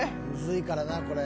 いからなこれ。